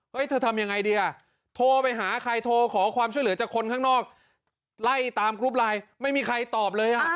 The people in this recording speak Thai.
เธอทำยังไงดีอ่ะโทรไปหาใครโทรขอความช่วยเหลือจากคนข้างนอกไล่ตามกรุ๊ปไลน์ไม่มีใครตอบเลยอ่ะ